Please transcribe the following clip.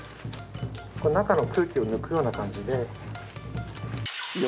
中の空気を抜くような感じで。